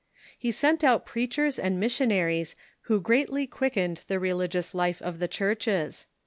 He sent out preachers and missionaries who greatly quickened the religious life of the Churches.